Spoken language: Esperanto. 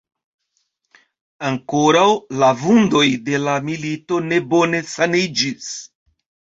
Ankoraŭ la vundoj de la milito ne bone saniĝis.